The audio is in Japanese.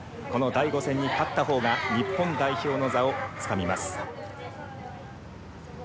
この第５戦に勝った方が日本代表の座をつかみます。